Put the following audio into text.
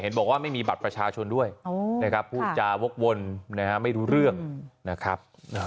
เห็นบอกว่าไม่มีบัตรประชาชนด้วยผู้จาวกวนไม่รู้เรื่องนะครับ